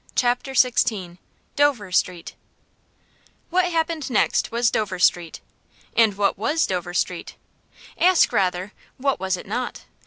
CHAPTER XVI DOVER STREET What happened next was Dover Street. And what was Dover Street? Ask rather, What was it not?